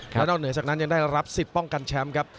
แล้วนอกเหนือจากนั้นยังได้รับสิทธิ์ป้องกันแชมป์ครับ